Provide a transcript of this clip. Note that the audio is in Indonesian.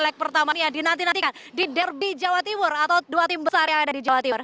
leg pertama ini yang dinantikan di derby jawa timur atau dua tim besar yang ada di jawa timur